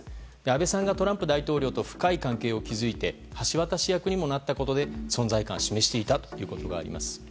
安倍さんがトランプ大統領と深い関係を築いて橋渡し役にもなったことで存在感を示したことがあります。